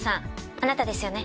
あなたですよね？